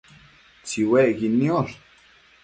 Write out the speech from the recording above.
Tsiuecquid niosh